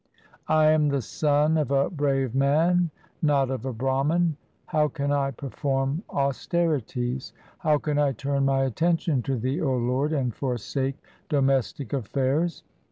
I am the son of a brave man, not of a Brahman ; how can I perform austerities ? How can I turn my attention to Thee, O Lord, and for sake domestic affairs ?